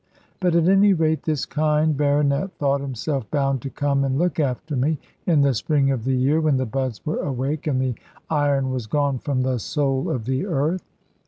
But at any rate this kind baronet thought himself bound to come and look after me, in the spring of the year when the buds were awake, and the iron was gone from the soul of the earth.